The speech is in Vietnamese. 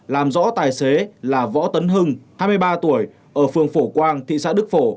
làm rõ tài xế là võ tấn hưng hai mươi ba tuổi ở phường phổ quang thị xã đức phổ